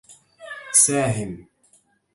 ساهم!